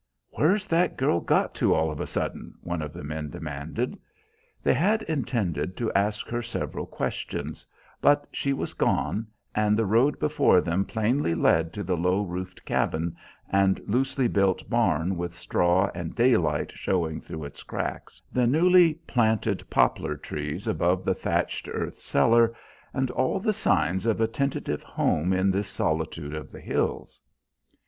"Where's that girl got to all of a sudden?" one of the men demanded. They had intended to ask her several questions; but she was gone, and the road before them plainly led to the low roofed cabin, and loosely built barn with straw and daylight showing through its cracks, the newly planted poplar trees above the thatched earth cellar, and all the signs of a tentative home in this solitude of the hills.